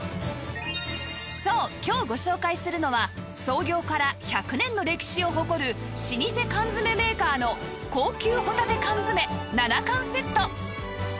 そう今日ご紹介するのは創業から１００年の歴史を誇る老舗缶詰メーカーの高級ほたて缶詰７缶セット